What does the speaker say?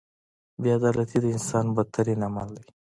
• بې عدالتي د انسان بدترین عمل دی.